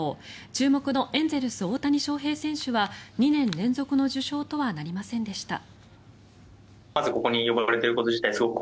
注目のエンゼルス、大谷翔平選手は２年連続の受賞とはなりませんでした。